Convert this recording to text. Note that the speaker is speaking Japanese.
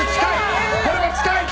これも近い！